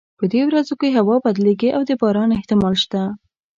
په دې ورځو کې هوا بدلیږي او د باران احتمال شته